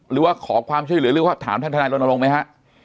หรือว่าขอความช่วยเหลือหรือว่าถามท่านทนายรณรงค์ไหมฮะ